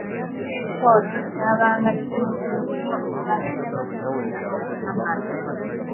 Ekyoto kyabanga kinyuvu nnyo ate nga kiyigiriza okukamala!